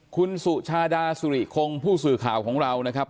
คุณสุชาดาสุริคงผู้สื่อข่าวของเรานะครับ